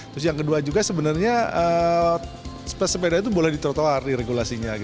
terus yang kedua juga sebenarnya sepeda itu boleh ditrotohar di regulasinya